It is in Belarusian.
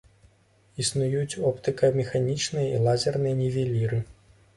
Існуюць оптыка-механічныя і лазерныя нівеліры.